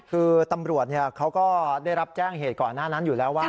คือตำรวจเขาก็ได้รับแจ้งเหตุก่อนหน้านั้นอยู่แล้วว่า